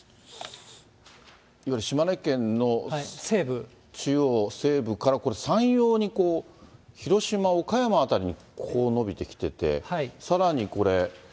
いわゆる島根県の中央西部からこれ、山陽にこう、広島、岡山辺りに、こう延びてきてて、さらにこれ。